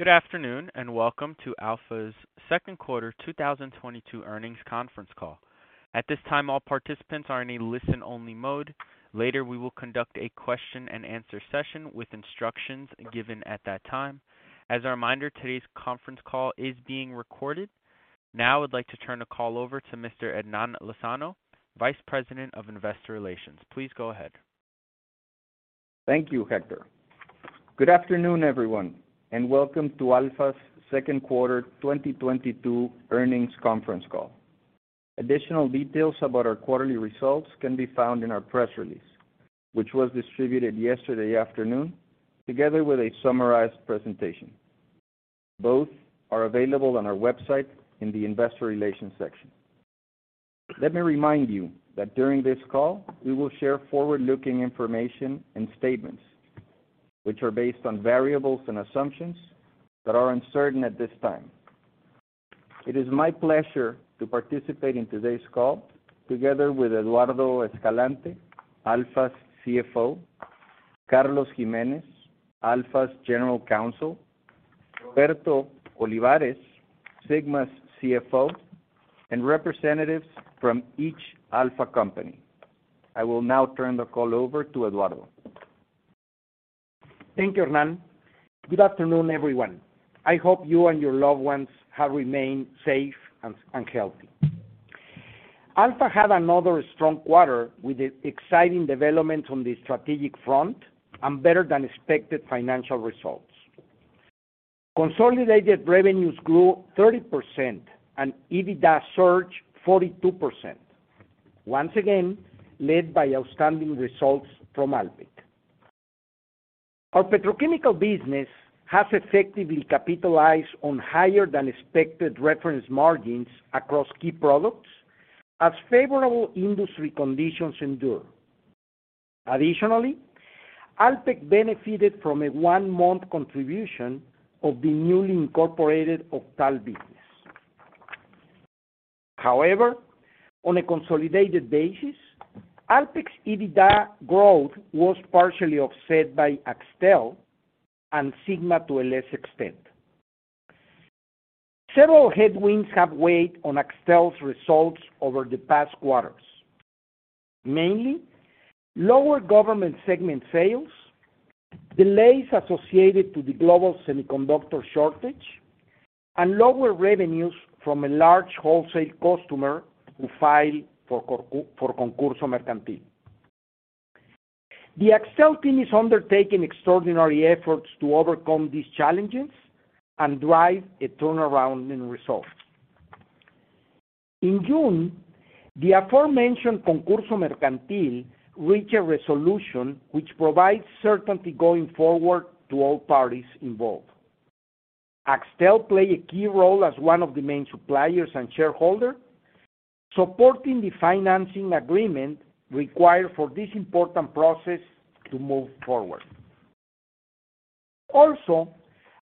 Good afternoon, and welcome to ALFA's second quarter 2022 earnings conference call. At this time, all participants are in a listen-only mode. Later, we will conduct a question-and-answer session with instructions given at that time. As a reminder, today's conference call is being recorded. Now I'd like to turn the call over to Mr. Hernán Lozano, Vice President of Investor Relations. Please go ahead. Thank you, Hector. Good afternoon, everyone, and welcome to ALFA's second quarter 2022 earnings conference call. Additional details about our quarterly results can be found in our press release, which was distributed yesterday afternoon, together with a summarized presentation. Both are available on our website in the investor relations section. Let me remind you that during this call, we will share forward-looking information and statements which are based on variables and assumptions that are uncertain at this time. It is my pleasure to participate in today's call together with Eduardo Escalante, ALFA's CFO, Carlos Jiménez, ALFA's General Counsel, Roberto Olivares, Sigma's CFO, and representatives from each ALFA company. I will now turn the call over to Eduardo. Thank you, Hernán. Good afternoon, everyone. I hope you and your loved ones have remained safe and healthy. ALFA had another strong quarter with the exciting developments on the strategic front and better than expected financial results. Consolidated revenues grew 30% and EBITDA surged 42%, once again led by outstanding results from Alpek. Our petrochemical business has effectively capitalized on higher than expected reference margins across key products as favorable industry conditions endure. Additionally, Alpek benefited from a one-month contribution of the newly incorporated OCTAL business. However, on a consolidated basis, Alpek's EBITDA growth was partially offset by Axtel and Sigma to a less extent. Several headwinds have weighed on Axtel's results over the past quarters. Mainly, lower government segment sales, delays associated to the global semiconductor shortage, and lower revenues from a large wholesale customer who filed for concurso mercantil. The Axtel team is undertaking extraordinary efforts to overcome these challenges and drive a turnaround in results. In June, the aforementioned concurso mercantil reached a resolution which provides certainty going forward to all parties involved. Axtel played a key role as one of the main suppliers and shareholder, supporting the financing agreement required for this important process to move forward. Also,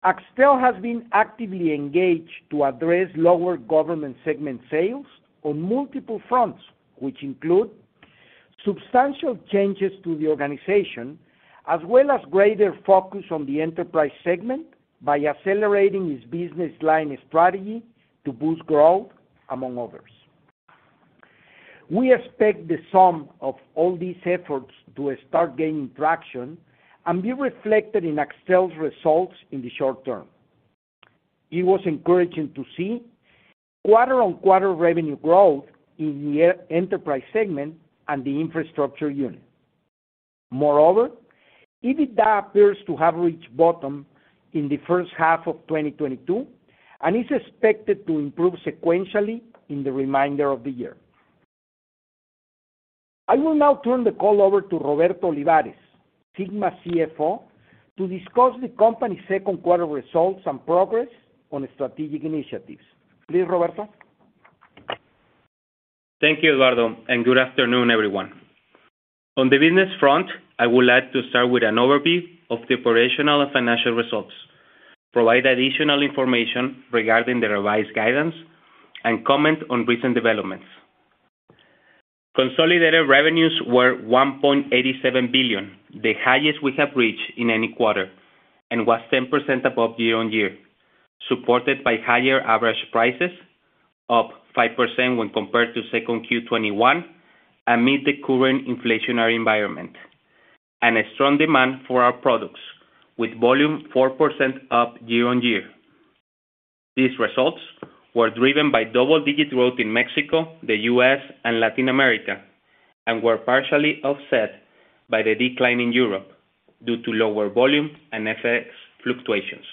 Axtel has been actively engaged to address lower government segment sales on multiple fronts, which include substantial changes to the organization as well as greater focus on the enterprise segment by accelerating its business line strategy to boost growth, among others. We expect the sum of all these efforts to start gaining traction and be reflected in Axtel's results in the short term. It was encouraging to see quarter-on-quarter revenue growth in the enterprise segment and the infrastructure unit. Moreover, EBITDA appears to have reached bottom in the first half of 2022 and is expected to improve sequentially in the remainder of the year. I will now turn the call over to Roberto Olivares, Sigma CFO, to discuss the company's second quarter results and progress on strategic initiatives. Please, Roberto. Thank you, Eduardo, and good afternoon, everyone. On the business front, I would like to start with an overview of the operational and financial results, provide additional information regarding the revised guidance, and comment on recent developments. Consolidated revenues were $1.87 billion, the highest we have reached in any quarter, and was 10% above year-on-year, supported by higher average prices, up 5% when compared to Q2 2021 amid the current inflationary environment, and a strong demand for our products with volume 4% up year-on-year. These results were driven by double-digit growth in Mexico, the U.S. and Latin America, and were partially offset by the decline in Europe due to lower volume and FX fluctuations.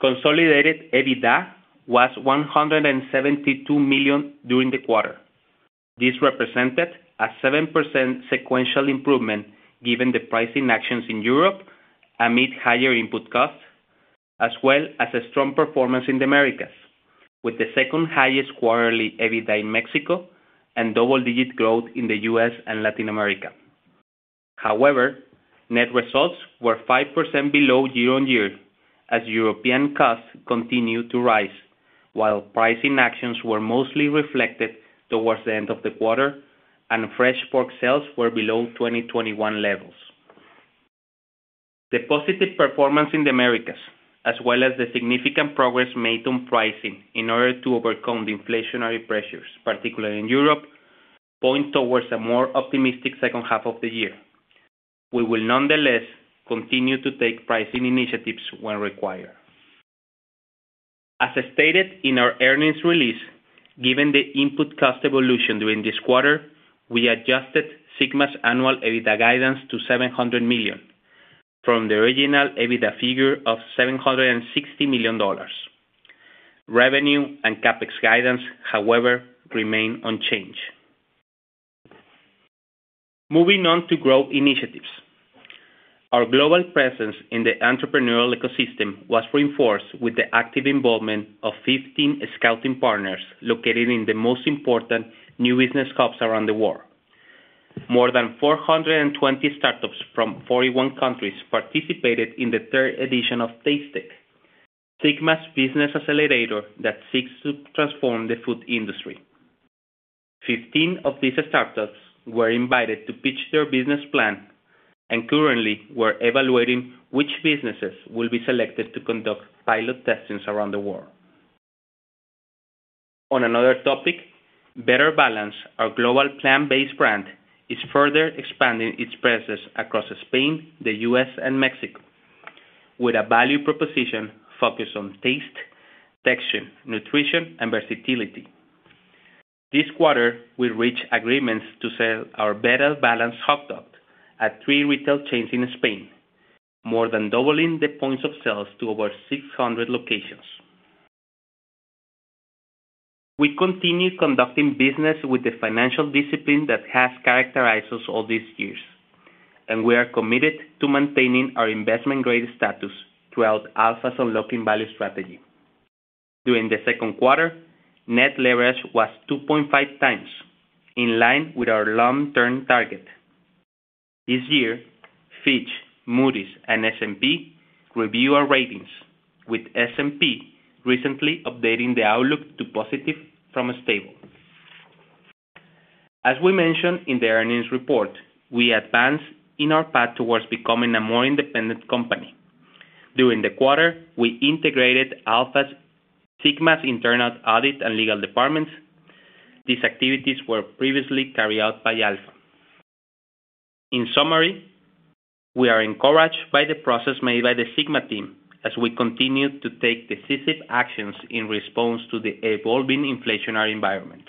Consolidated EBITDA was $172 million during the quarter. This represented a 7% sequential improvement given the pricing actions in Europe amid higher input costs as well as a strong performance in the Americas, with the second highest quarterly EBITDA in Mexico and double-digit growth in the U.S. and Latin America. However, net results were 5% below year-on-year as European costs continued to rise. While pricing actions were mostly reflected towards the end of the quarter, and fresh pork sales were below 2021 levels. The positive performance in the Americas, as well as the significant progress made on pricing in order to overcome the inflationary pressures, particularly in Europe, point towards a more optimistic second half of the year. We will nonetheless continue to take pricing initiatives when required. As stated in our earnings release, given the input cost evolution during this quarter, we adjusted Sigma's annual EBITDA guidance to $700 million from the original EBITDA figure of $760 million. Revenue and CapEx guidance, however, remain unchanged. Moving on to growth initiatives. Our global presence in the entrepreneurial ecosystem was reinforced with the active involvement of 15 scouting partners located in the most important new business hubs around the world. More than 420 startups from 41 countries participated in the third edition of Tastech, Sigma's business accelerator that seeks to transform the food industry. 15 of these startups were invited to pitch their business plan, and currently we're evaluating which businesses will be selected to conduct pilot testings around the world. On another topic, Better Balance, our global plant-based brand, is further expanding its presence across Spain, the U.S., and Mexico with a value proposition focused on taste, texture, nutrition, and versatility. This quarter, we reached agreements to sell our Better Balance hot dog at three retail chains in Spain, more than doubling the points of sales to over 600 locations. We continue conducting business with the financial discipline that has characterized us all these years, and we are committed to maintaining our investment-grade status throughout ALFA's unlocking value strategy. During the second quarter, net leverage was 2.5x, in line with our long-term target. This year, Fitch, Moody's, and S&P review our ratings, with S&P recently updating the outlook to positive from stable. As we mentioned in the earnings report, we advanced in our path towards becoming a more independent company. During the quarter, we integrated Sigma's internal audit and legal departments. These activities were previously carried out by ALFA. In summary, we are encouraged by the progress made by the Sigma team as we continue to take decisive actions in response to the evolving inflationary environment.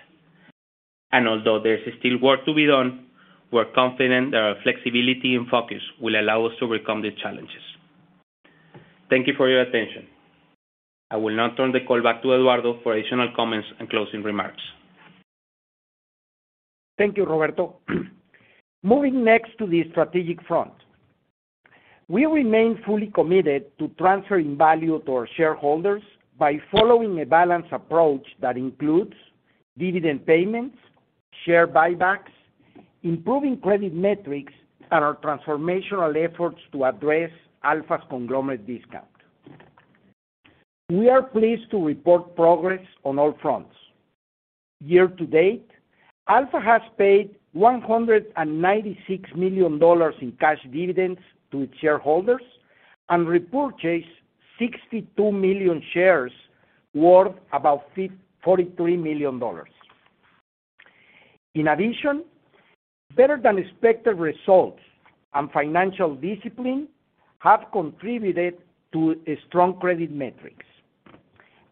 And although there is still work to be done, we're confident that our flexibility and focus will allow us to overcome the challenges. Thank you for your attention. I will now turn the call back to Eduardo for additional comments and closing remarks. Thank you, Roberto. Moving next to the strategic front. We remain fully committed to transferring value to our shareholders by following a balanced approach that includes dividend payments, share buybacks, improving credit metrics, and our transformational efforts to address ALFA's conglomerate discount. We are pleased to report progress on all fronts. Year to date, ALFA has paid $196 million in cash dividends to its shareholders and repurchased 62 million shares worth about $43 million. In addition, better than expected results and financial discipline have contributed to a strong credit metrics.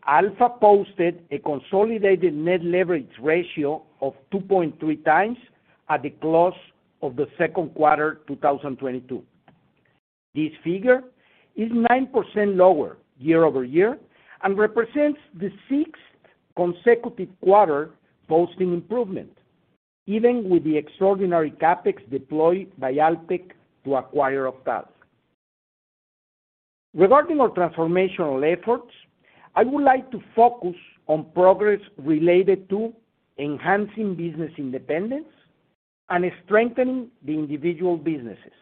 ALFA posted a consolidated net leverage ratio of 2.3x at the close of the second quarter, 2022. This figure is 9% lower year-over-year and represents the sixth consecutive quarter posting improvement, even with the extraordinary CapEx deployed by Alpek to acquire OCTAL. Regarding our transformational efforts, I would like to focus on progress related to enhancing business independence and strengthening the individual businesses.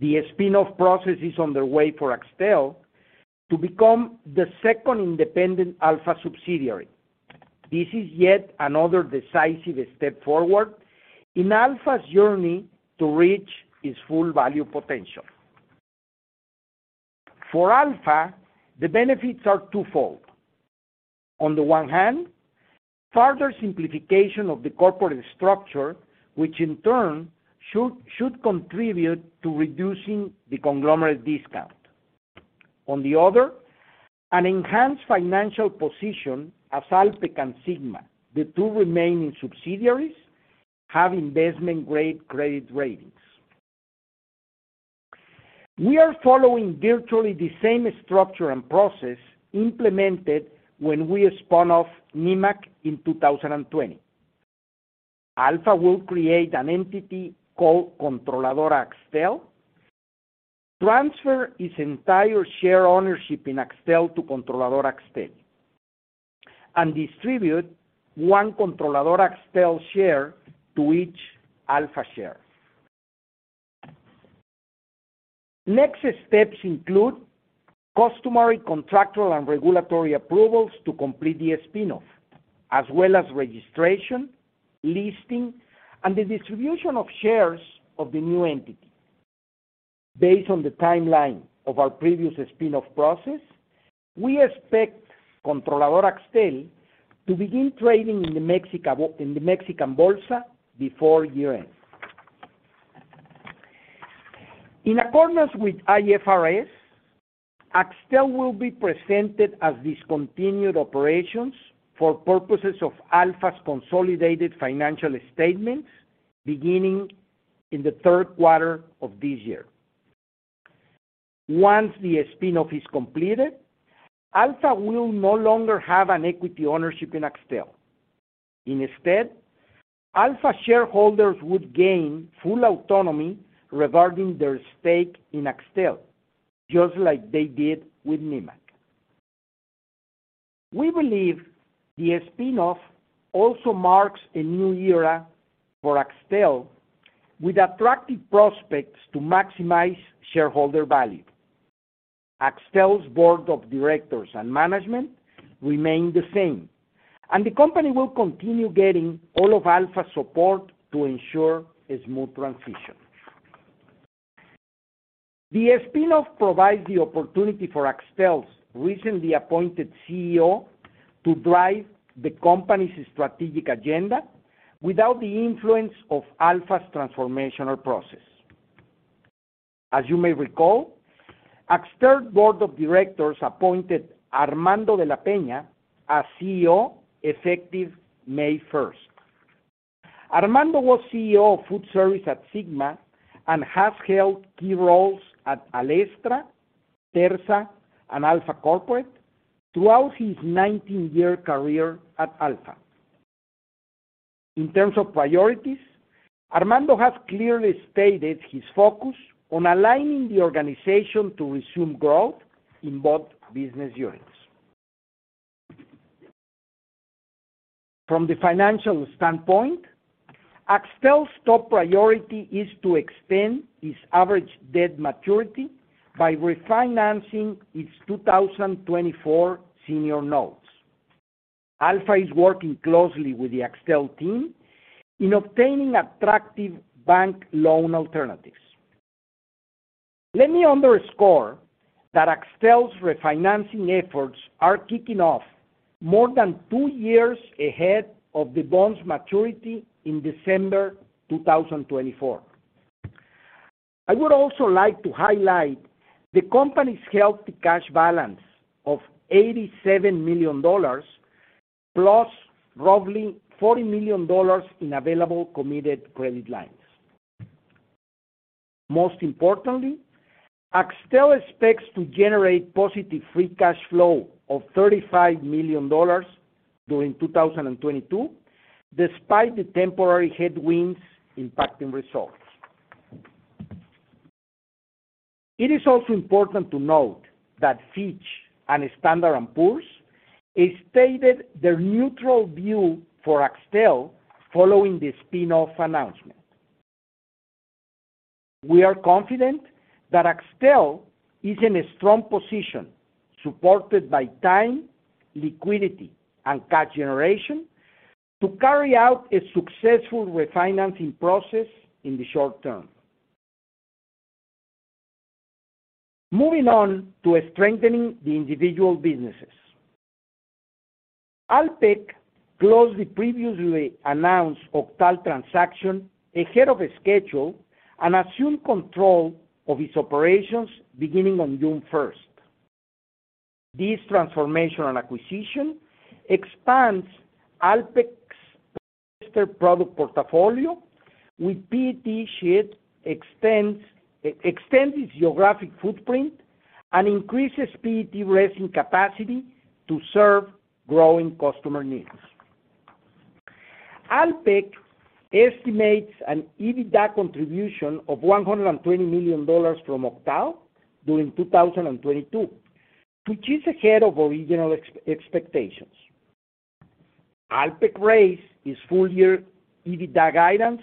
The spin-off process is underway for Axtel to become the second independent ALFA subsidiary. This is yet another decisive step forward in ALFA's journey to reach its full value potential. For ALFA, the benefits are twofold. On the one hand, further simplification of the corporate structure, which in turn should contribute to reducing the conglomerate discount. On the other, an enhanced financial position as Alpek and Sigma, the two remaining subsidiaries, have investment-grade credit ratings. We are following virtually the same structure and process implemented when we spun off Nemak in 2020. ALFA will create an entity called Controladora Axtel, transfer its entire share ownership in Axtel to Controladora Axtel, and distribute one Controladora Axtel share to each ALFA share. Next steps include customary, contractual, and regulatory approvals to complete the spin-off, as well as registration, listing, and the distribution of shares of the new entity. Based on the timeline of our previous spin-off process, we expect Controladora Axtel to begin trading in the Mexican Bolsa before year-end. In accordance with IFRS, Axtel will be presented as discontinued operations for purposes of ALFA's consolidated financial statements beginning in the third quarter of this year. Once the spin-off is completed, ALFA will no longer have an equity ownership in Axtel. Instead, ALFA shareholders would gain full autonomy regarding their stake in Axtel, just like they did with Nemak. We believe the spin-off also marks a new era for Axtel with attractive prospects to maximize shareholder value. Axtel's board of directors and management remain the same, and the company will continue getting all of ALFA's support to ensure a smooth transition. The spin-off provides the opportunity for Axtel's recently appointed CEO to drive the company's strategic agenda without the influence of ALFA's transformational process. As you may recall, Axtel's board of directors appointed Armando de la Peña as CEO effective May 1st. Armando was CEO of Foodservice at Sigma and has held key roles at Alestra, Terza, and ALFA Corporate throughout his 19-year career at ALFA. In terms of priorities, Armando has clearly stated his focus on aligning the organization to resume growth in both business units. From the financial standpoint, Axtel's top priority is to extend its average debt maturity by refinancing its 2024 senior notes. ALFA is working closely with the Axtel team in obtaining attractive bank loan alternatives. Let me underscore that Axtel's refinancing efforts are kicking off more than two years ahead of the bonds' maturity in December 2024. I would also like to highlight the company's healthy cash balance of $87 million, plus roughly $40 million in available committed credit lines. Most importantly, Axtel expects to generate positive free cash flow of $35 million during 2022, despite the temporary headwinds impacting results. It is also important to note that Fitch and Standard & Poor's stated their neutral view for Axtel following the spin-off announcement. We are confident that Axtel is in a strong position, supported by time, liquidity, and cash generation, to carry out a successful refinancing process in the short term. Moving on to strengthening the individual businesses. Alpek closed the previously announced OCTAL transaction ahead of schedule and assumed control of its operations beginning on June 1st. This transformational acquisition expands Alpek's polyester product portfolio with PET chips, extends its geographic footprint, and increases PET resin capacity to serve growing customer needs. Alpek estimates an EBITDA contribution of $120 million from OCTAL during 2022, which is ahead of original expectations. Alpek raised its full-year EBITDA guidance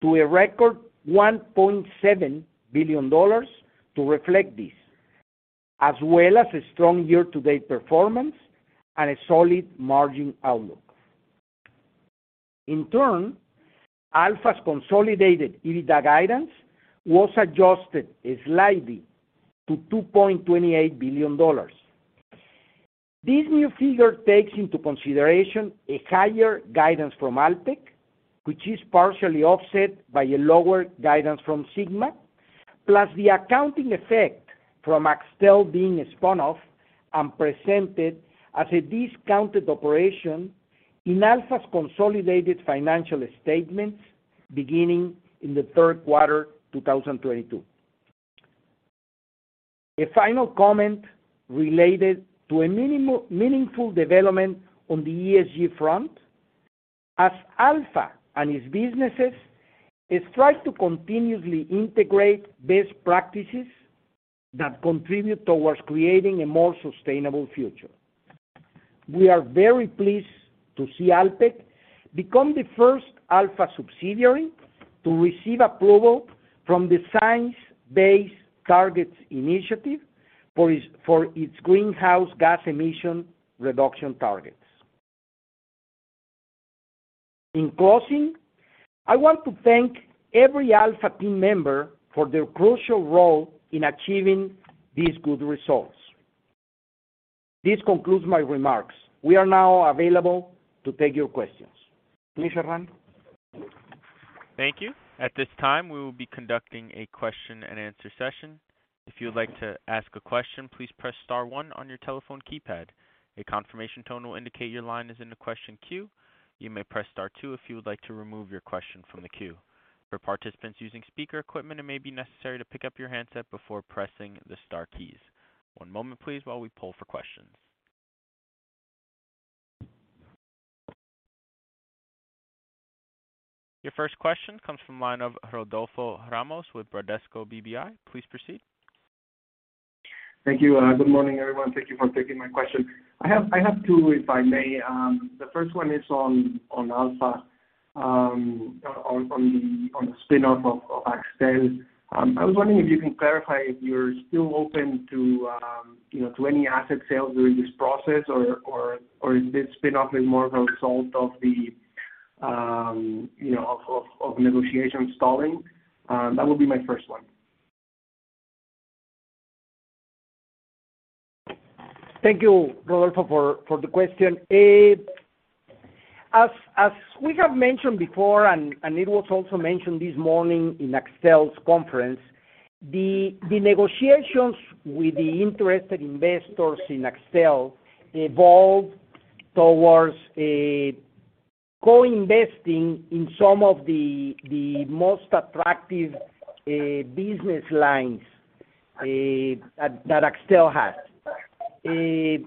to a record $1.7 billion to reflect this, as well as a strong year-to-date performance and a solid margin outlook. In turn, ALFA's consolidated EBITDA guidance was adjusted slightly to $2.28 billion. This new figure takes into consideration a higher guidance from Alpek, which is partially offset by a lower guidance from Sigma, plus the accounting effect from Axtel being spun off and presented as a discontinued operation in ALFA's consolidated financial statements beginning in the third quarter 2022. A final comment related to a meaningful development on the ESG front as ALFA and its businesses strive to continuously integrate best practices that contribute towards creating a more sustainable future. We are very pleased to see Alpek become the first ALFA subsidiary to receive approval from the Science Based Targets initiative for its greenhouse gas emission reduction targets. In closing, I want to thank every ALFA team member for their crucial role in achieving these good results. This concludes my remarks. We are now available to take your questions. Please, Hernán. Thank you. At this time, we will be conducting a question-and-answer session. If you would like to ask a question, please press star one on your telephone keypad. A confirmation tone will indicate your line is in the question queue. You may press star two if you would like to remove your question from the queue. For participants using speaker equipment, it may be necessary to pick up your handset before pressing the star keys. One moment please while we poll for questions. Your first question comes from line of Rodolfo Ramos with Bradesco BBI. Please proceed. Thank you. Good morning, everyone. Thank you for taking my question. I have two, if I may. The first one is on ALFA, on the spin-off of Axtel. I was wondering if you can clarify if you're still open to, you know, to any asset sales during this process or is this spin-off more of a result of the, you know, of negotiations stalling? That will be my first one. Thank you, Rodolfo, for the question. As we have mentioned before, and it was also mentioned this morning in Axtel's conference, the negotiations with the interested investors in Axtel evolved towards co-investing in some of the most attractive business lines that Axtel has. At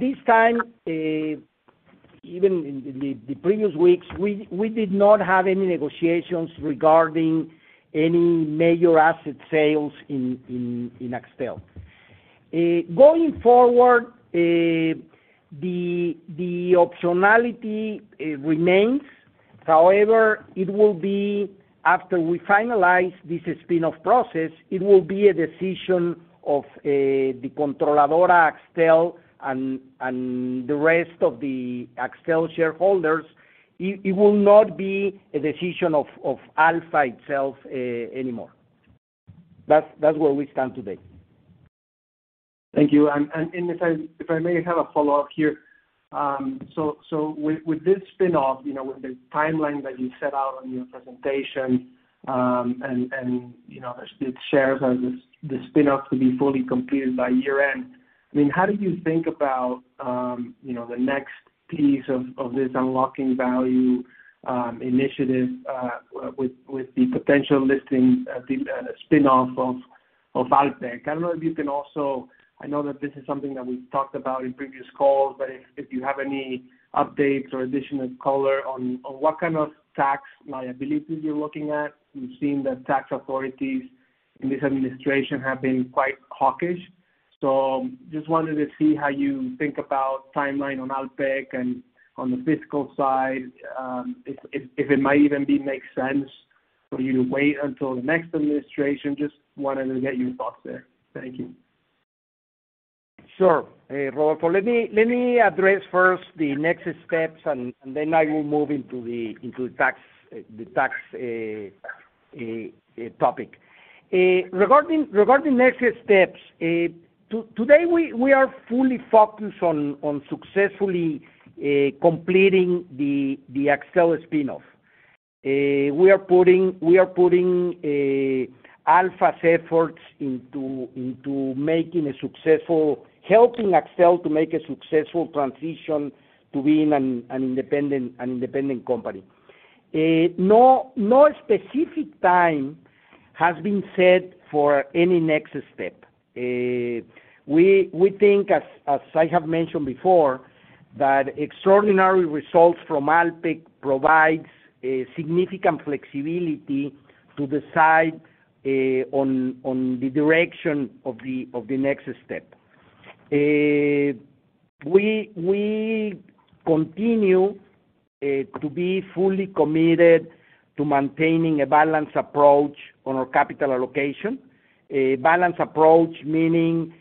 this time, even in the previous weeks, we did not have any negotiations regarding any major asset sales in Axtel. Going forward, the optionality it remains. However, it will be after we finalize this spin-off process, it will be a decision of the Controladora Axtel and the rest of the Axtel shareholders. It will not be a decision of ALFA itself anymore. That's where we stand today. Thank you. If I may have a follow-up here. With this spin-off, you know, with the timeline that you set out on your presentation, you know, the shares of the spin-off to be fully completed by year-end, I mean, how do you think about the next piece of this unlocking value initiative with the potential listing at the spin-off of Alpek? I don't know if you can also. I know that this is something that we've talked about in previous calls, but if you have any updates or additional color on what kind of tax liabilities you're looking at. We've seen the tax authorities in this administration have been quite hawkish. Just wanted to see how you think about timeline on Alpek and on the fiscal side, if it might even make sense for you to wait until the next administration. Just wanted to get your thoughts there. Thank you. Sure, Rodolfo. Let me address first the next steps, and then I will move into the tax topic. Regarding next steps, today we are fully focused on successfully completing the Axtel spin-off. We are putting ALFA's efforts into helping Axtel to make a successful transition to being an independent company. No specific time has been set for any next step. We think, as I have mentioned before, that extraordinary results from Alpek provides significant flexibility to decide on the direction of the next step. We continue to be fully committed to maintaining a balanced approach on our capital allocation. A balanced approach, meaning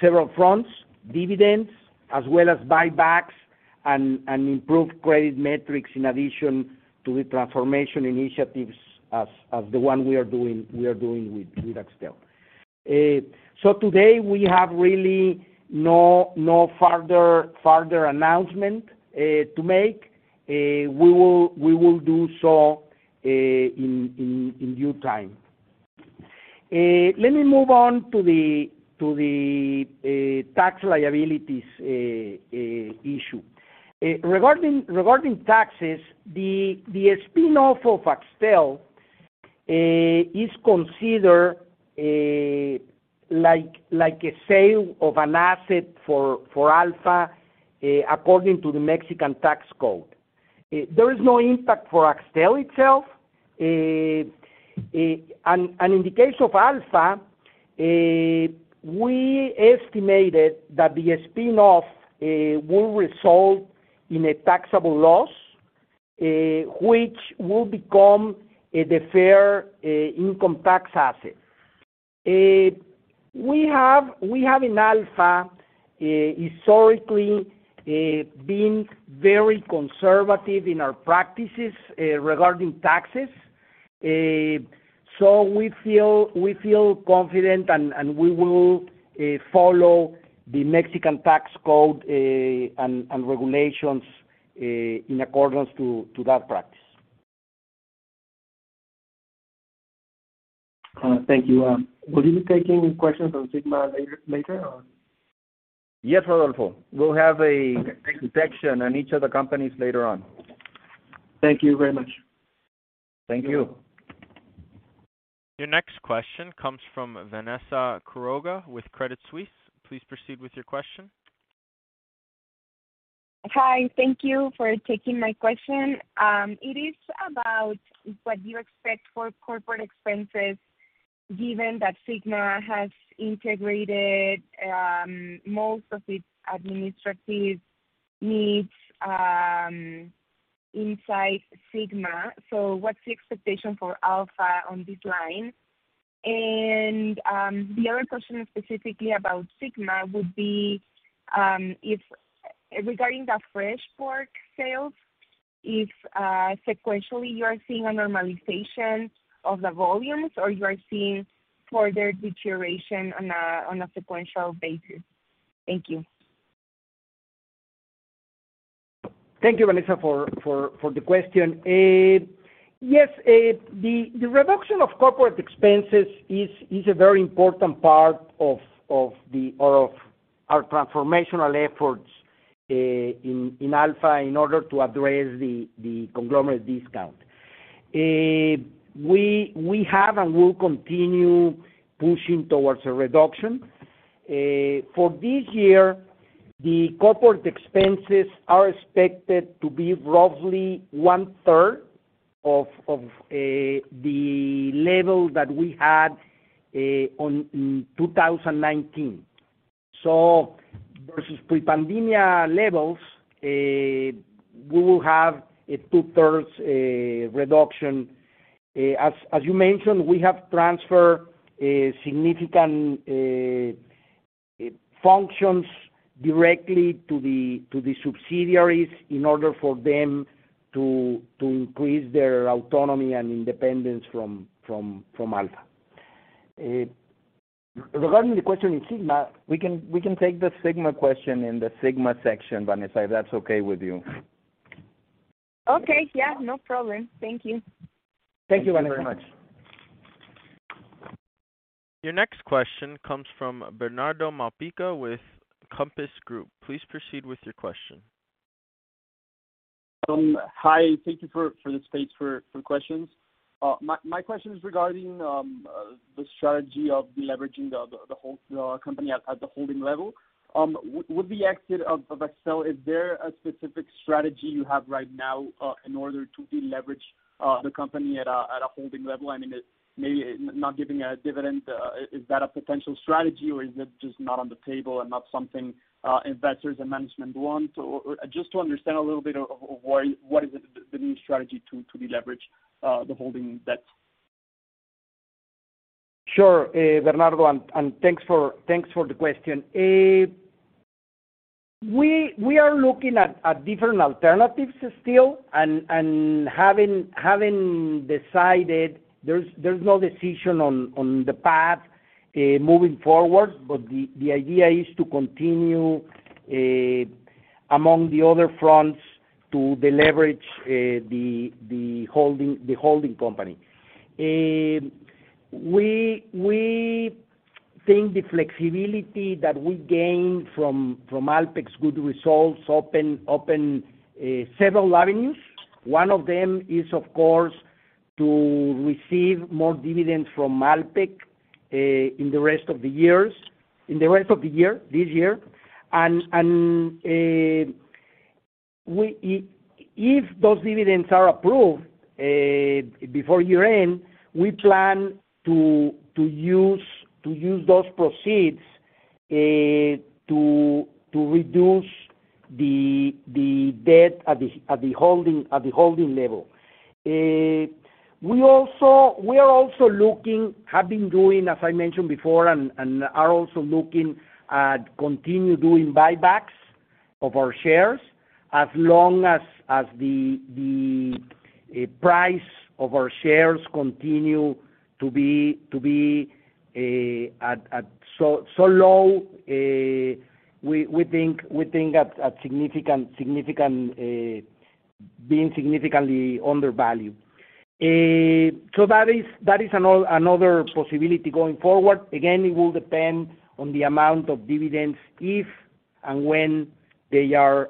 several fronts, dividends, as well as buybacks and improved credit metrics in addition to the transformation initiatives as the one we are doing with Axtel. Today we have really no further announcement to make. We will do so in due time. Let me move on to the tax liabilities issue. Regarding taxes, the spin-off of Axtel is considered like a sale of an asset for ALFA according to the Mexican tax code. There is no impact for Axtel itself. In the case of ALFA, we estimated that the spin-off will result in a taxable loss, which will become the deferred income tax asset. We have in ALFA, historically, been very conservative in our practices regarding taxes. We feel confident and we will follow the Mexican tax code and regulations in accordance to that practice. Thank you. Will you be taking questions on Sigma later on? Yes, Rodolfo. We'll have a section on each of the companies later on. Thank you very much. Thank you. Your next question comes from Vanessa Quiroga with Credit Suisse. Please proceed with your question. Hi. Thank you for taking my question. It is about what you expect for corporate expenses given that Sigma has integrated most of its administrative needs inside Sigma. What's the expectation for ALFA on this line? The other question specifically about Sigma would be regarding the fresh pork sales, if sequentially you are seeing a normalization of the volumes, or you are seeing further deterioration on a sequential basis? Thank you. Thank you, Vanessa, for the question. Yes, the reduction of corporate expenses is a very important part of our transformational efforts in ALFA in order to address the conglomerate discount. We have and will continue pushing towards a reduction. For this year, the corporate expenses are expected to be roughly 1/3 of the level that we had in 2019. Versus pre-pandemic levels, we will have a 2/3s reduction. As you mentioned, we have transferred significant functions directly to the subsidiaries in order for them to increase their autonomy and independence from ALFA. Regarding the question in Sigma, we can take the Sigma question in the Sigma section, Vanessa, if that's okay with you. Okay. Yeah, no problem. Thank you. Thank you, very much. Your next question comes from Bernardo Malpica with Compass Group. Please proceed with your question. Hi. Thank you for the space for questions. My question is regarding the strategy of deleveraging the whole company at the holding level. With the exit of Axtel, is there a specific strategy you have right now in order to deleverage the company at a holding level? I mean, maybe not giving a dividend is that a potential strategy, or is it just not on the table and not something investors and management want? Just to understand a little bit of why what is the new strategy to deleverage the holding debt? Sure, Bernardo, and thanks for the question. We are looking at different alternatives still and haven't decided. There's no decision on the path moving forward. The idea is to continue, among the other fronts, to deleverage the holding company. We think the flexibility that we gain from Alpek's good results opens several avenues. One of them is, of course, to receive more dividends from Alpek in the rest of the year, this year. If those dividends are approved before year-end, we plan to use those proceeds to reduce the debt at the holding level. We are also looking, have been doing, as I mentioned before, and are also looking at continuing to do buybacks of our shares as long as the price of our shares continues to be at so low, we think it's significantly undervalued. So that is another possibility going forward. Again, it will depend on the amount of dividends, if and when they are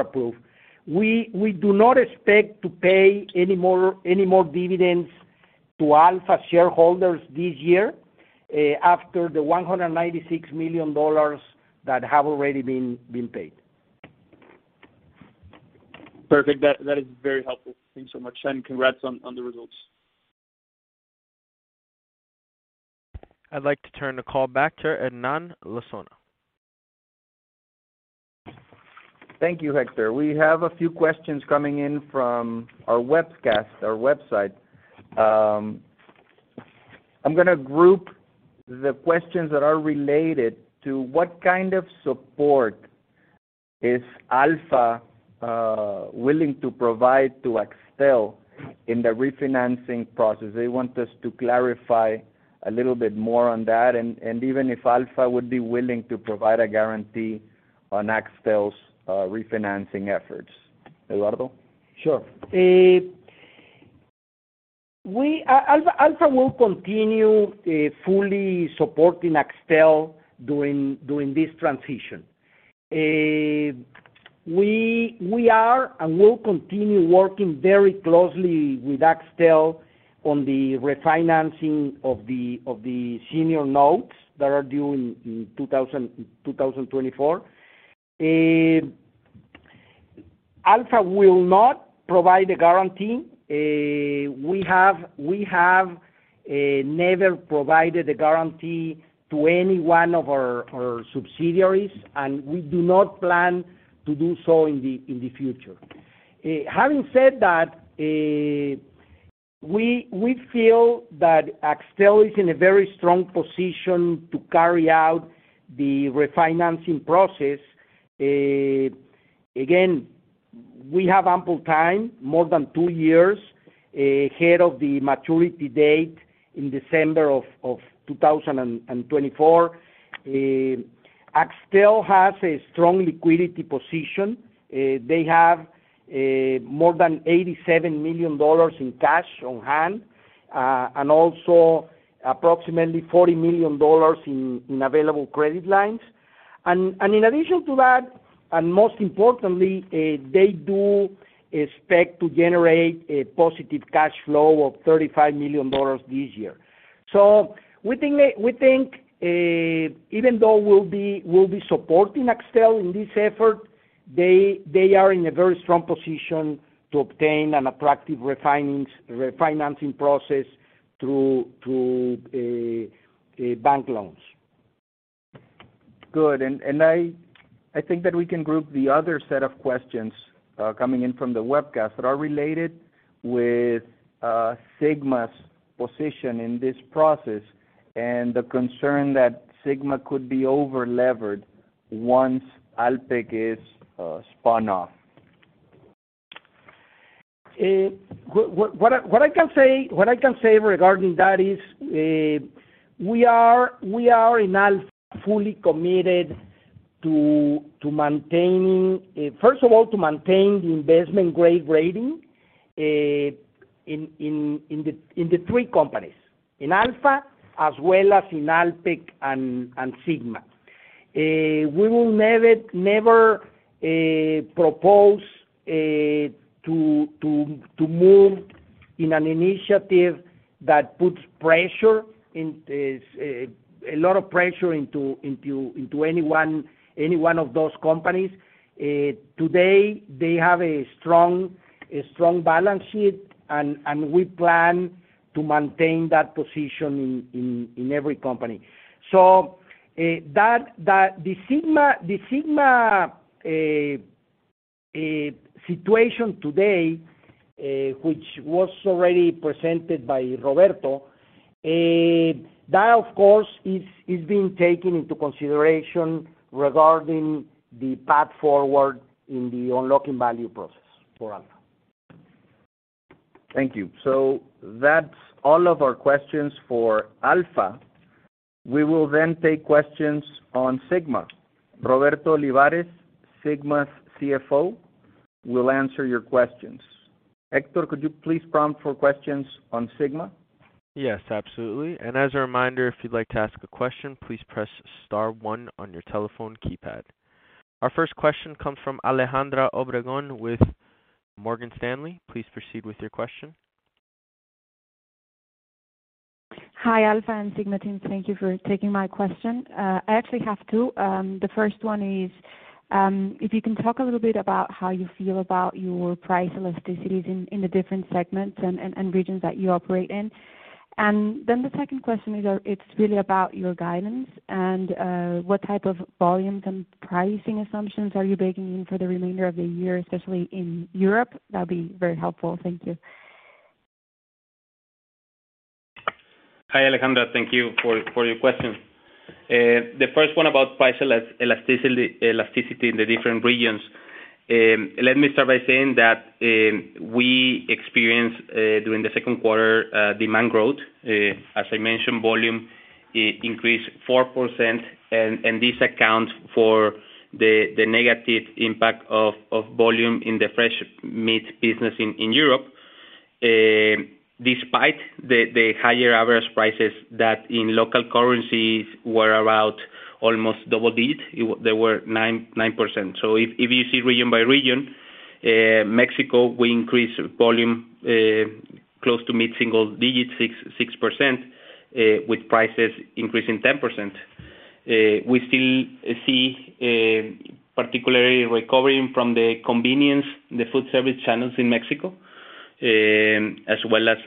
approved. We do not expect to pay any more dividends to ALFA shareholders this year, after the $196 million that have already been paid. Perfect. That is very helpful. Thanks so much. Congrats on the results. I'd like to turn the call back to Hernán Lozano. Thank you, Hector. We have a few questions coming in from our webcast, our website. I'm gonna group the questions that are related to what kind of support is ALFA willing to provide to Axtel in the refinancing process? They want us to clarify a little bit more on that, and even if ALFA would be willing to provide a guarantee on Axtel's refinancing efforts. Eduardo? Sure. ALFA will continue fully supporting Axtel during this transition. We are and will continue working very closely with Axtel on the refinancing of the senior notes that are due in 2024. ALFA will not provide a guarantee. We have never provided a guarantee to any one of our subsidiaries, and we do not plan to do so in the future. Having said that, we feel that Axtel is in a very strong position to carry out the refinancing process. Again, we have ample time, more than two years, ahead of the maturity date in December of 2024. Axtel has a strong liquidity position. They have more than $87 million in cash on hand, and also approximately $40 million in available credit lines. In addition to that, and most importantly, they do expect to generate a positive cash flow of $35 million this year. We think, even though we'll be supporting Axtel in this effort, they are in a very strong position to obtain an attractive refinancing process through bank loans. Good. I think that we can group the other set of questions coming in from the webcast that are related with Sigma's position in this process and the concern that Sigma could be overlevered once Alpek is spun off. What I can say regarding that is, we are in ALFA fully committed to maintaining, first of all, to maintain the investment-grade rating in the three companies. In ALFA, as well as in Alpek and Sigma. We will never propose to move in an initiative that puts a lot of pressure into any one of those companies. Today, they have a strong balance sheet and we plan to maintain that position in every company. That the Sigma situation today, which was already presented by Roberto, that, of course, is being taken into consideration regarding the path forward in the unlocking value process for ALFA. Thank you. That's all of our questions for ALFA. We will then take questions on Sigma. Roberto Olivares, Sigma's CFO, will answer your questions. Hector, could you please prompt for questions on Sigma? Yes, absolutely. As a reminder, if you'd like to ask a question, please press star one on your telephone keypad. Our first question comes from Alejandra Obregón with Morgan Stanley. Please proceed with your question. Hi, ALFA and Sigma team. Thank you for taking my question. I actually have two. The first one is, if you can talk a little bit about how you feel about your price elasticities in the different segments and regions that you operate in. The second question is, it's really about your guidance and what type of volumes and pricing assumptions are you baking in for the remainder of the year, especially in Europe. That'd be very helpful. Thank you. Hi, Alejandra. Thank you for your question. The first one about price elasticity in the different regions. Let me start by saying that we experienced during the second quarter demand growth. As I mentioned, volume increased 4% and this accounts for the negative impact of volume in the Fresh Meat business in Europe. Despite the higher average prices that in local currencies were around almost double-digit, they were 9%. If you see region by region, Mexico, we increased volume close to mid-single digits, 6%, with prices increasing 10%. We still see particularly recovering from the convenience, the foodservice channels in Mexico, as well as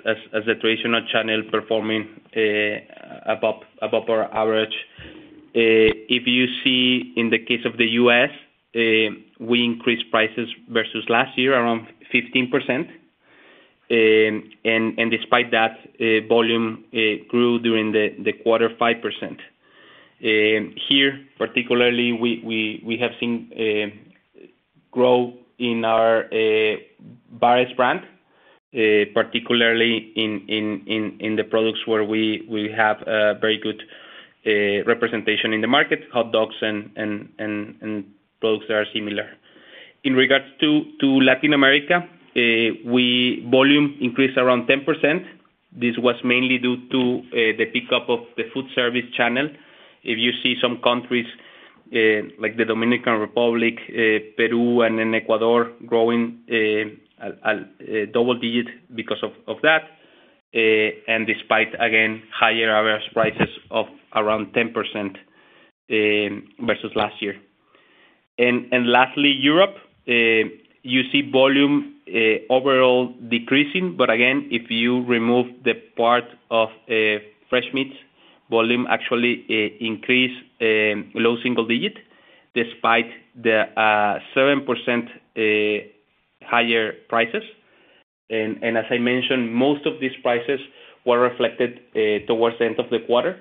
the traditional channel performing above our average. If you see in the case of the U.S., we increased prices versus last year around 15%. Despite that, volume grew during the quarter 5%. Here, particularly we have seen growth in our Bar-S brand, particularly in the products where we have a very good representation in the market, hot dogs and products that are similar. In regards to Latin America, our volume increased around 10%. This was mainly due to the pickup of the foodservice channel. If you see some countries like the Dominican Republic, Peru, and then Ecuador growing a double digit because of that, and despite again higher average prices of around 10% versus last year. Lastly, Europe. You see volume overall decreasing. Again, if you remove the part of Fresh Meats, volume actually increase low single digits despite the 7% higher prices. As I mentioned, most of these prices were reflected towards the end of the quarter.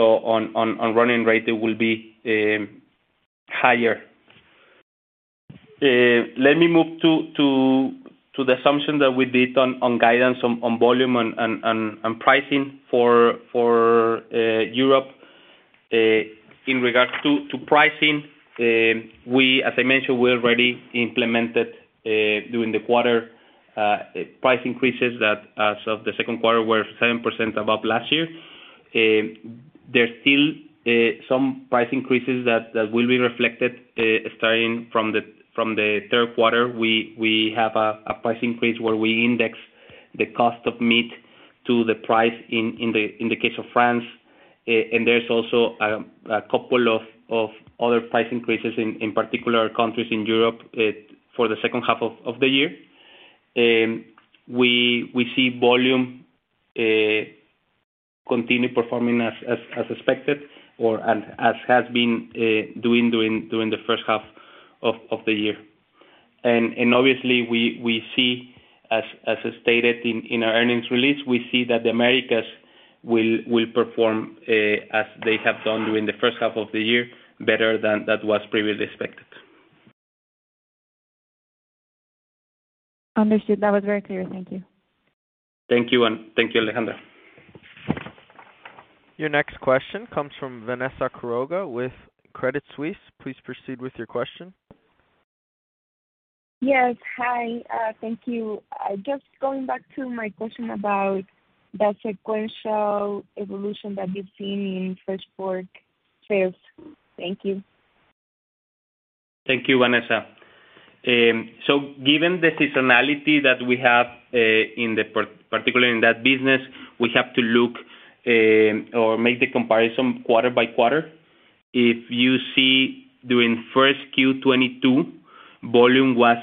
On running rate, it will be higher. Let me move to the assumption that we did on guidance on volume and pricing for Europe. In regards to pricing, we, as I mentioned, we already implemented during the quarter price increases that as of the second quarter were 7% above last year. There's still some price increases that will be reflected starting from the third quarter. We have a price increase where we index the cost of meat to the price in the case of France. There's also a couple of other price increases in particular countries in Europe for the second half of the year. We see volume continue performing as expected and as has been doing during the first half of the year. Obviously we see as stated in our earnings release, we see that the Americas will perform as they have done during the first half of the year, better than that was previously expected. Understood. That was very clear. Thank you. Thank you. And thank you, Alejandra. Your next question comes from Vanessa Quiroga with Credit Suisse. Please proceed with your question. Yes. Hi. Thank you. Just going back to my question about the sequential evolution that you're seeing in fresh pork sales. Thank you. Thank you, Vanessa. Given the seasonality that we have, particularly in that business, we have to look or make the comparison quarter by quarter. If you see during first Q 2022, volume was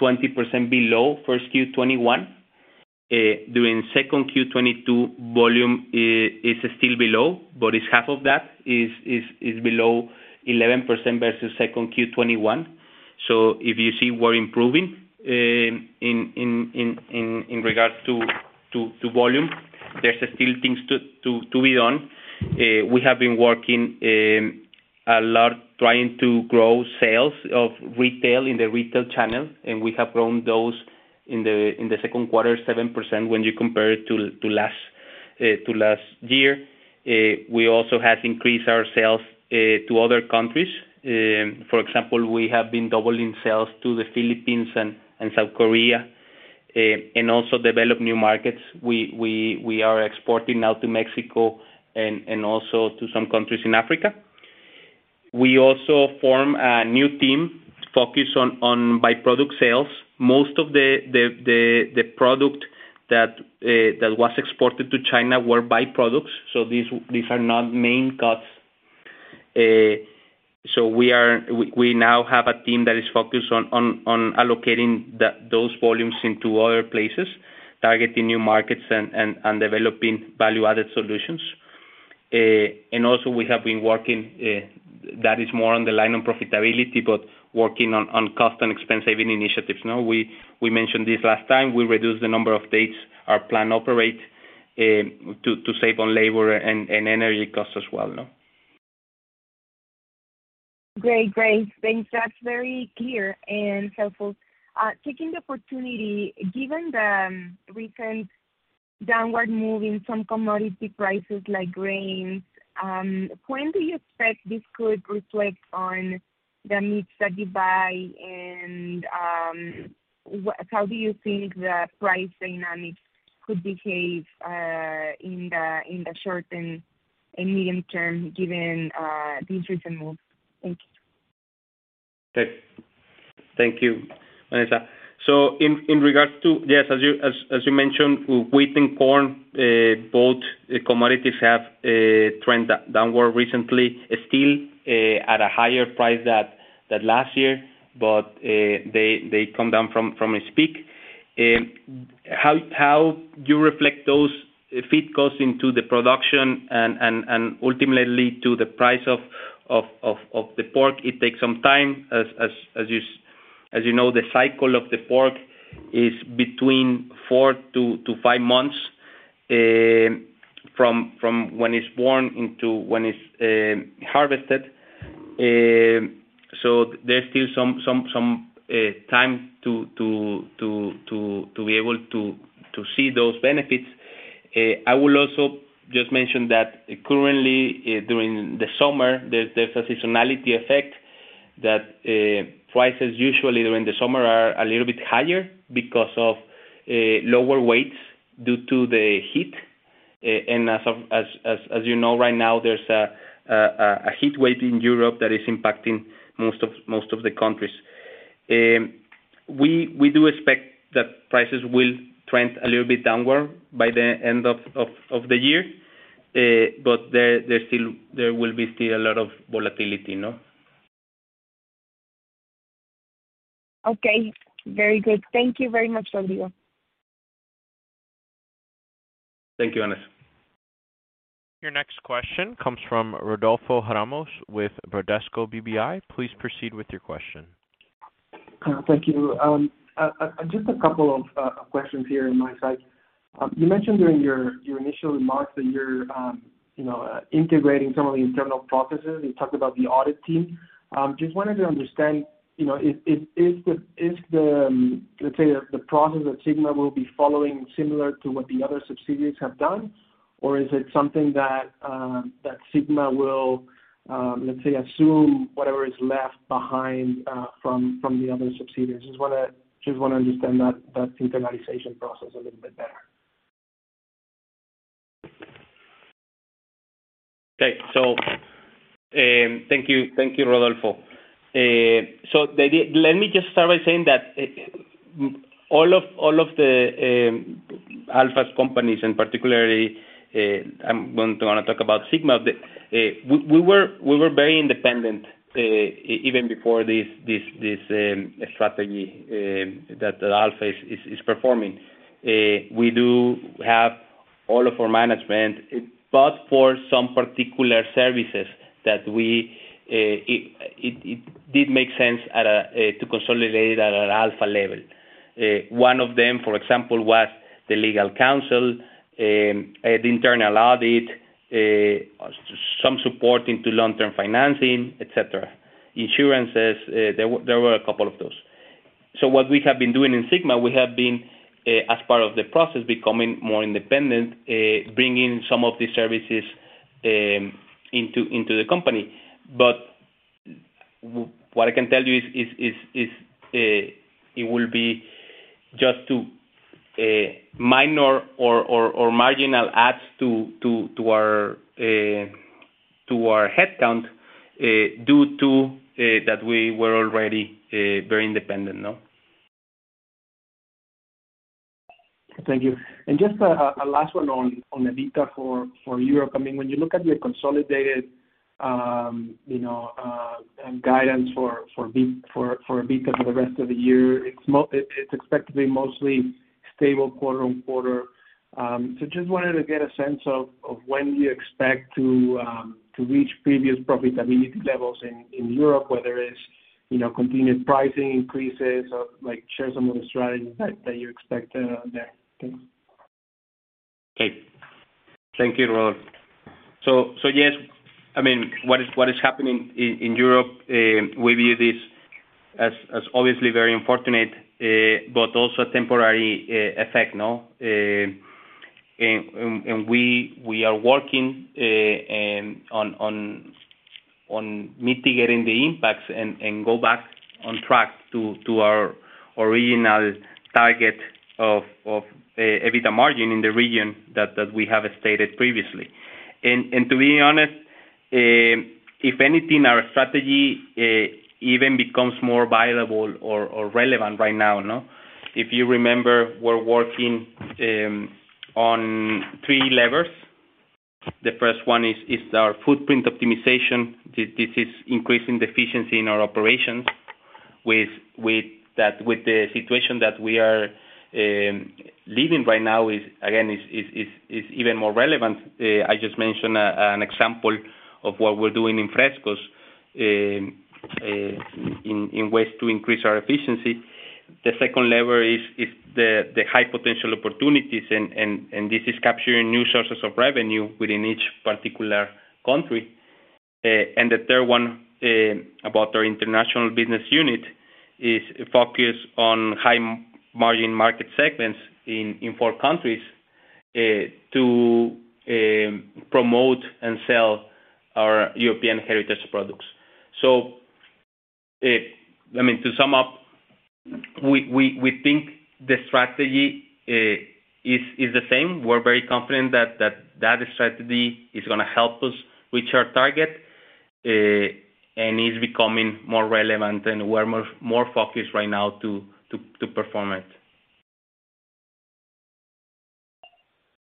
20% below first Q 2021. During second Q 2022, volume is still below, but it's half of that. It's below 11% versus second Q 2021. If you see we're improving in regards to volume, there's still things to be done. We have been working a lot trying to grow sales of retail in the retail channel, and we have grown those in the second quarter 7% when you compare it to last year. We also have increased our sales to other countries. For example, we have been doubling sales to the Philippines and South Korea and also develop new markets. We are exporting now to Mexico and also to some countries in Africa. We also form a new team focused on by-product sales. Most of the product that was exported to China were by-products. So these are not main cuts. We now have a team that is focused on allocating those volumes into other places, targeting new markets and developing value-added solutions. We have been working that is more along the lines of profitability, but working on cost and expense saving initiatives. Now, we mentioned this last time, we reduced the number of days our plant operate to save on labor and energy costs as well, no? Great. Thanks. That's very clear and helpful. Taking the opportunity, given the recent downward move in some commodity prices like grains, when do you expect this could reflect on the meats that you buy? And, how do you think the price dynamics could behave, in the short and in medium term, given these recent moves. Thank you. Okay. Thank you, Vanessa. In regards to, yes, as you mentioned, wheat and corn, both commodities have trended downward recently. Still, at a higher price than last year, but they come down from a peak. How you reflect those feed costs into the production and ultimately to the price of the pork, it takes some time. As you know, the cycle of the pork is between four to five months, from when it's born to when it's harvested. There's still some time to be able to see those benefits. I will also just mention that currently, during the summer, there's a seasonality effect that prices usually during the summer are a little bit higher because of lower weights due to the heat. As you know, right now there's a heat wave in Europe that is impacting most of the countries. We do expect that prices will trend a little bit downward by the end of the year. There will still be a lot of volatility, you know. Okay. Very good. Thank you very much, Rodrigo. Thank you, Vanessa. Your next question comes from Rodolfo Ramos with Bradesco BBI. Please proceed with your question. Thank you. Just a couple of questions here on my side. You mentioned during your initial remarks that you're you know integrating some of the internal processes. You talked about the audit team. Just wanted to understand you know is the let's say the process that Sigma will be following similar to what the other subsidiaries have done? Or is it something that Sigma will let's say assume whatever is left behind from the other subsidiaries? Just wanna understand that internalization process a little bit better. Okay. Thank you. Thank you, Rodolfo. Let me just start by saying that all of ALFA's companies, and particularly, I'm going to wanna talk about Sigma. We were very independent even before this strategy that ALFA is performing. We do have all of our management, but for some particular services that it did make sense to consolidate it at an ALFA level. One of them, for example, was the legal counsel, the internal audit, some support into long-term financing, et cetera. Insurance. There were a couple of those. What we have been doing in Sigma, we have been as part of the process becoming more independent, bringing some of these services into the company. What I can tell you is it will be just minor or marginal adds to our headcount due to that we were already very independent now. Thank you. Just a last one on EBITDA for Europe. I mean, when you look at your consolidated, you know, guidance for FY EBITDA for the rest of the year, it's expected to be mostly stable quarter-on-quarter. So just wanted to get a sense of when you expect to reach previous profitability levels in Europe, whether it's, you know, continued pricing increases or like share some of the strategies that you expect there. Thanks. Okay. Thank you, Rodolfo. Yes, I mean, what is happening in Europe, we view this as obviously very unfortunate, but also a temporary effect, no? We are working on mitigating the impacts and go back on track to our original target of EBITDA margin in the region that we have stated previously. To be honest, if anything, our strategy even becomes more viable or relevant right now, no? If you remember, we're working on three levers. The first one is our footprint optimization. This is increasing the efficiency in our operations. With that, the situation that we are living right now is again even more relevant. I just mentioned an example of what we're doing in Frescos in ways to increase our efficiency. The second lever is the high potential opportunities and this is capturing new sources of revenue within each particular country. The third one about our international business unit is focus on high-margin market segments in four countries to promote and sell European heritage products. I mean, to sum up, we think the strategy is the same. We're very confident that strategy is gonna help us reach our target and is becoming more relevant, and we're more focused right now to perform it.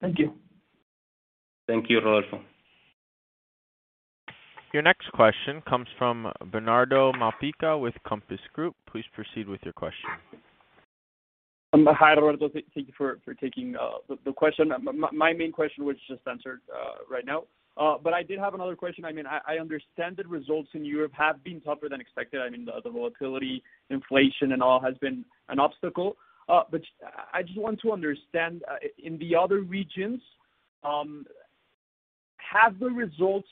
Thank you. Thank you, Rodolfo. Your next question comes from Bernardo Malpica with Compass Group. Please proceed with your question. Hi, Roberto. Thank you for taking the question. My main question was just answered right now. I did have another question. I mean, I understand that results in Europe have been tougher than expected. I mean, the volatility, inflation, and all has been an obstacle. I just want to understand, in the other regions, have the results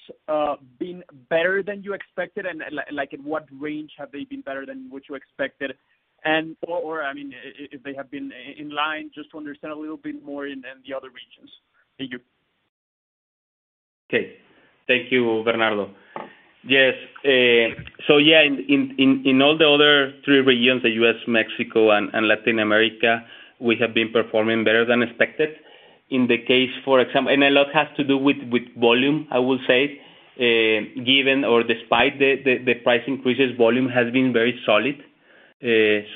been better than you expected? Like, in what range have they been better than what you expected? Or, I mean, if they have been in line, just to understand a little bit more in the other regions. Thank you. Okay. Thank you, Bernardo. Yes. Yeah, in all the other three regions, the U.S., Mexico and Latin America, we have been performing better than expected. In the case, for example. A lot has to do with volume, I will say. Given or despite the price increases, volume has been very solid. We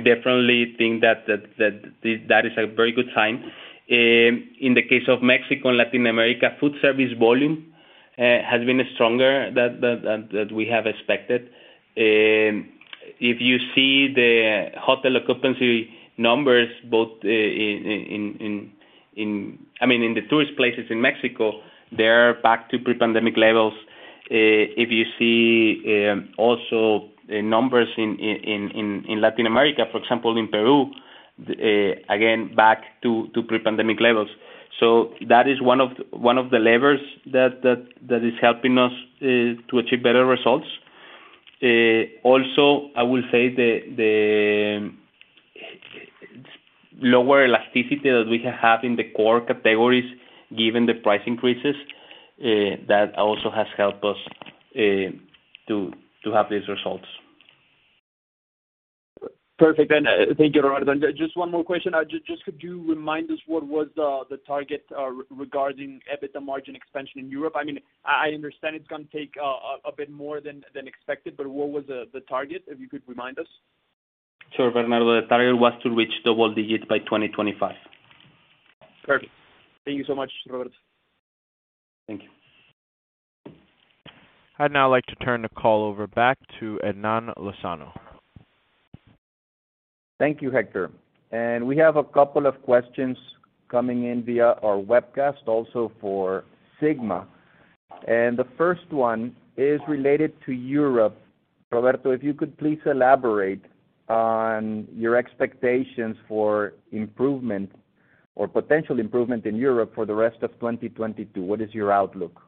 definitely think that that is a very good sign. In the case of Mexico and Latin America, foodservice volume has been stronger than we have expected. If you see the hotel occupancy numbers both in the tourist places in Mexico, I mean, they are back to pre-pandemic levels. If you see, also numbers in Latin America, for example, in Peru, again back to pre-pandemic levels. That is one of the levers that is helping us to achieve better results. Also, I will say the lower elasticity that we have in the core categories, given the price increases, that also has helped us to have these results. Perfect. Thank you, Roberto. Just one more question. Just could you remind us what was the target regarding EBITDA margin expansion in Europe? I mean, I understand it's gonna take a bit more than expected, but what was the target, if you could remind us? Sure, Bernardo. The target was to reach double digits by 2025. Perfect. Thank you so much, Roberto. Thank you. I'd now like to turn the call over back to Hernán Lozano. Thank you, Hector. We have a couple of questions coming in via our webcast also for Sigma. The first one is related to Europe. Roberto, if you could please elaborate on your expectations for improvement or potential improvement in Europe for the rest of 2022. What is your outlook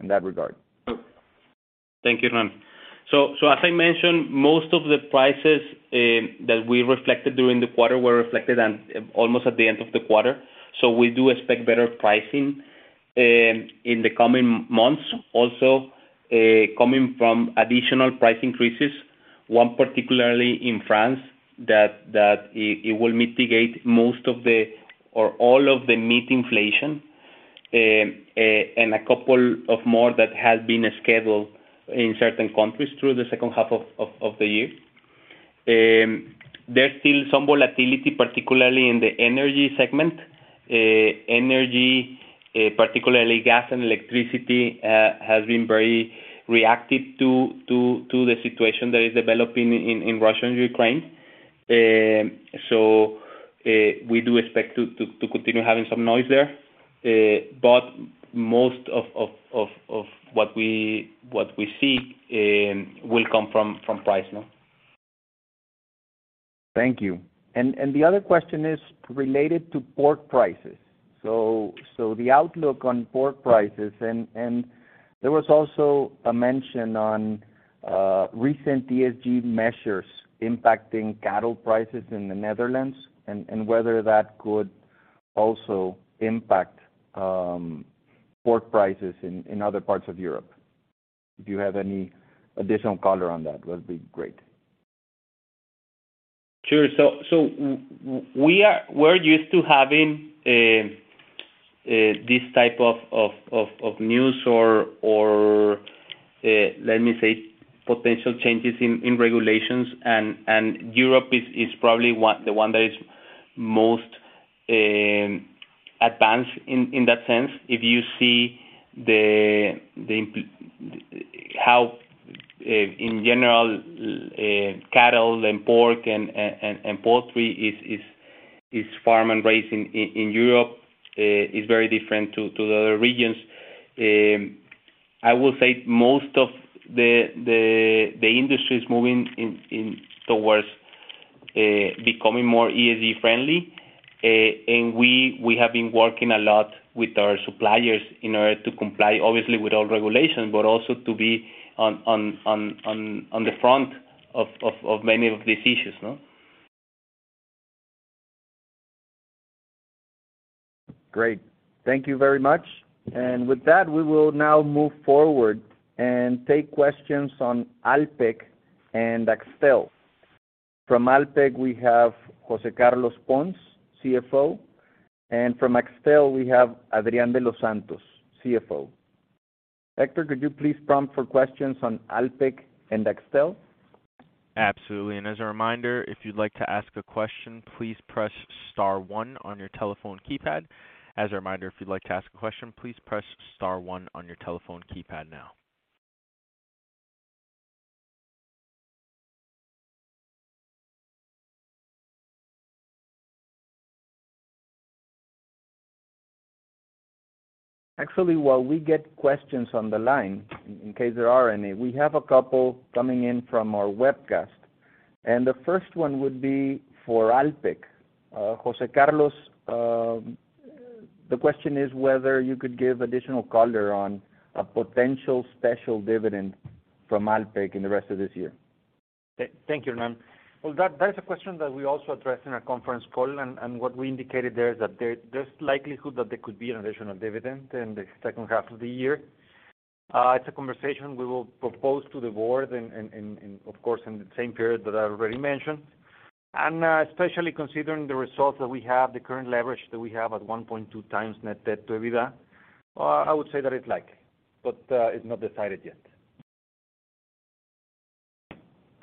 in that regard? Thank you, Hernán. As I mentioned, most of the prices that we reflected during the quarter were reflected almost at the end of the quarter. We do expect better pricing in the coming months. Also coming from additional price increases, one particularly in France, that it will mitigate most of the or all of the meat inflation, and a couple of more that has been scheduled in certain countries through the second half of the year. There's still some volatility, particularly in the energy segment. Energy, particularly gas and electricity, has been very reactive to the situation that is developing in Russia and Ukraine. We do expect to continue having some noise there. Most of what we see will come from price, no? Thank you. The other question is related to pork prices. The outlook on pork prices and there was also a mention on recent ESG measures impacting cattle prices in the Netherlands and whether that could also impact pork prices in other parts of Europe. If you have any additional color on that'd be great. Sure. We're used to having this type of news or let me say, potential changes in regulations. Europe is probably the one that is most advanced in that sense. If you see how, in general, cattle and pork and poultry is farmed and raised in Europe, is very different to the other regions. I will say most of the industry is moving towards becoming more ESG friendly. We have been working a lot with our suppliers in order to comply, obviously with all regulations, but also to be on the front of many of these issues, no? Great. Thank you very much. With that, we will now move forward and take questions on Alpek and Axtel. From Alpek, we have José Carlos Pons, CFO. From Axtel, we have Adrián de los Santos, CFO. Hector, could you please prompt for questions on Alpek and Axtel? Absolutely. As a reminder, if you'd like to ask a question, please press star one on your telephone keypad. As a reminder, if you'd like to ask a question, please press star one on your telephone keypad now. Actually, while we get questions on the line, in case there are any, we have a couple coming in from our webcast, and the first one would be for Alpek. José Carlos, the question is whether you could give additional color on a potential special dividend from Alpek in the rest of this year. Thank you, Hernán. Well, that is a question that we also addressed in our conference call, and what we indicated there is that there's likelihood that there could be an additional dividend in the second half of the year. It's a conversation we will propose to the board and of course, in the same period that I already mentioned. Especially considering the results that we have, the current leverage that we have at 1.2x net debt to EBITDA, I would say that it's likely, but it's not decided yet.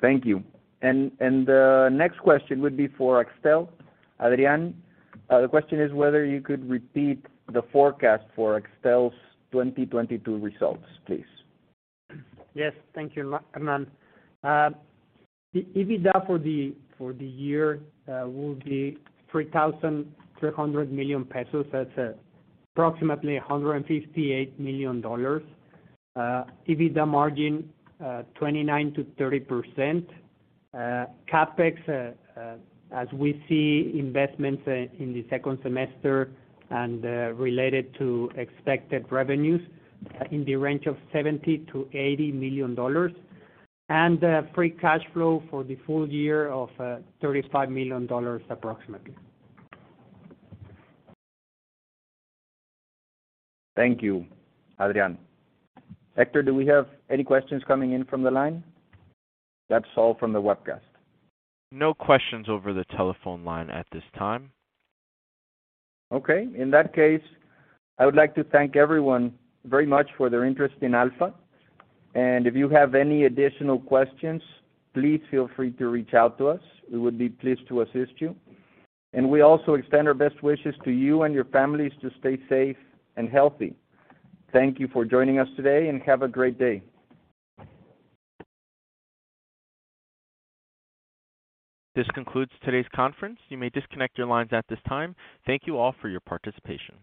Thank you. The next question would be for Axtel. Adrián, the question is whether you could repeat the forecast for Axtel's 2022 results, please. Yes, thank you, Hernan. EBITDA for the year will be MXN 3,300,000,000. That's approximately $158 million. EBITDA margin 29%-30%. CapEx as we see investments in the second semester and related to expected revenues in the range of $70 million-$80 million. Free cash flow for the full year of $35 million approximately. Thank you, Adrián. Hector, do we have any questions coming in from the line? That's all from the webcast. No questions over the telephone line at this time. Okay. In that case, I would like to thank everyone very much for their interest in ALFA. If you have any additional questions, please feel free to reach out to us. We would be pleased to assist you. We also extend our best wishes to you and your families to stay safe and healthy. Thank you for joining us today and have a great day. This concludes today's conference. You may disconnect your lines at this time. Thank you all for your participation.